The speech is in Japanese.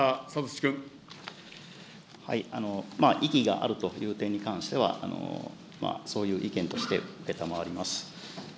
意義があるという点に関しては、そういう意見として承ります。